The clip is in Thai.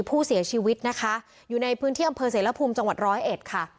ผู้เสียชีวิตนะคะอยู่ในพื้นที่อำเภอเสรภูมิจังหวัดร้อยเอ็ดค่ะ